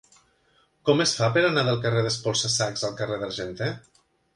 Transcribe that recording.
Com es fa per anar del carrer d'Espolsa-sacs al carrer de l'Argenter?